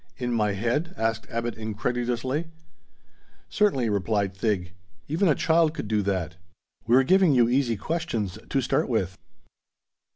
"In my head?" asked Abbot incredulously. "Certainly!" replied Thig. "Even a child could do that. We're giving you easy questions to start with."